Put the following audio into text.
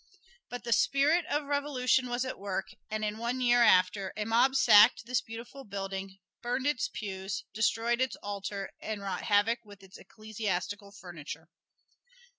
But the spirit of revolution was at work; and in one year after, a mob sacked this beautiful building, burned its pews, destroyed its altar, and wrought havoc with its ecclesiastical furniture.